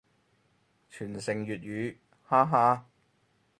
傳承粵語，哈哈